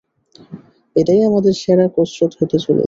এটাই আমাদের সেরা কসরত হতে চলেছে।